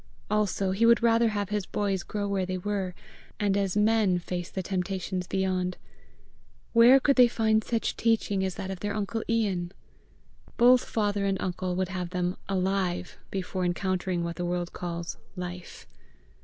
Also he would rather have his boys grow where they were, and as men face the temptations beyond: where could they find such teaching as that of their uncle Ian! Both father and uncle would have them ALIVE before encountering what the world calls LIFE.